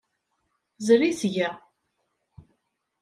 Zri seg-a.